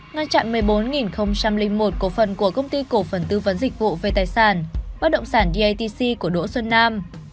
ngăn chặn một mươi bốn một cổ phần của công ty cổ phần tư vấn dịch vụ về tài sản bất động sản ditc của đỗ xuân nam